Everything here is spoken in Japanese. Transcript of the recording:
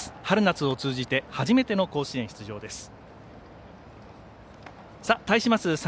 春夏通じて初めての甲子園出場です。